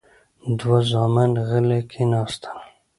دوه زامن غلي کېناستل.